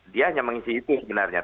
dia hanya mengisi itu sebenarnya